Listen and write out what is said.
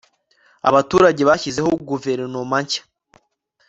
abaturage bashizeho guverinoma nshya